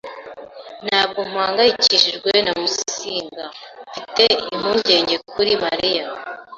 Ntabwo mpangayikishijwe na Musinga. Mfite impungenge kuri Mariya.